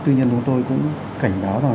tuy nhiên chúng tôi cũng cảnh báo rằng